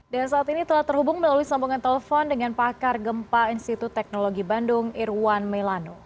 dan saat ini telah terhubung melalui sambungan telepon dengan pakar gempa institut teknologi bandung irwan melano